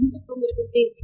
ứng dụng công nghệ công ty